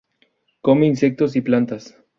Come insectos y plantas.